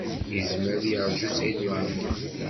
Yezmer ad yeṛju Saɛid Waɛmaṛ.